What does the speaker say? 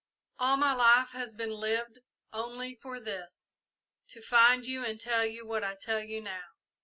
"All my life has been lived only for this; to find you and to tell you what I tell you now.